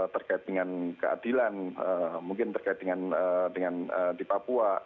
terkait dengan keadilan mungkin terkait dengan di papua